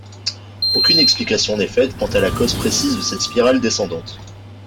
Aucune explication n'est faite quant à la cause précise de cette spirale descendante.